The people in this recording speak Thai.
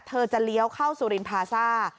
เธอจะเลี้ยวเข้าสุรินพาซ่า